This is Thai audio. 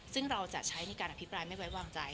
ซึ่งเราจะใช้ในการอภิปรายไม่ไว้วางใจ